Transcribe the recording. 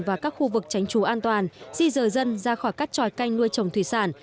và các khu vực tránh trú an toàn di rời dân ra khỏi các tròi canh nuôi trồng thủy sản